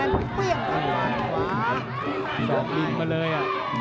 จัดการไหนมาเลย